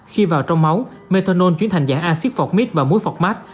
khi vào trong máu methanol chuyển thành dạng axit phọt mít và muối phọt mát